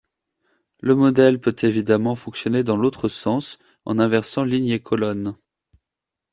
Le modèle peut évidemment fonctionner dans l’autre sens, en inversant lignes et colonnes.